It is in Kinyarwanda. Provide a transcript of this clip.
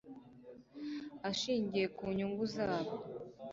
ashingiye ku nyungu zabo